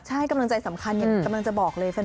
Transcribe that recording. ใช่กำลังใจสำคัญกำลังจะบอกเลย